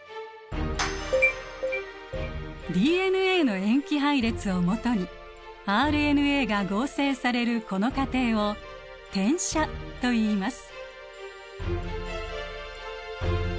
ＤＮＡの塩基配列をもとにＲＮＡが合成されるこの過程を「転写」といいます。